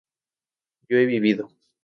yo he vivido